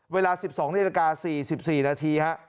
เวลา๑๒นิดนาที๔๔นาที